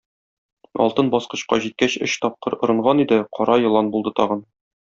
Алтын баскычка җиткәч, өч тапкыр орынган иде, кара елан булды тагын.